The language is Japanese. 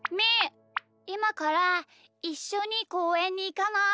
いまからいっしょにこうえんにいかない？